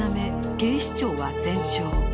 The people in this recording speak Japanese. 警視庁は全焼。